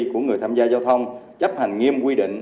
của người tham gia giao thông chấp hành nghiêm quy định